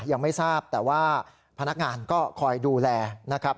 ยังไม่ทราบแต่ว่าพนักงานก็คอยดูแลนะครับ